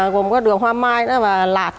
gồm các đường hoa mai và lạt